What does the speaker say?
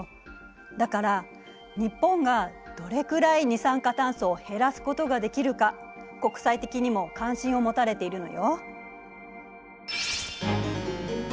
だから日本がどれくらい二酸化炭素を減らすことができるか国際的にも関心を持たれているのよ。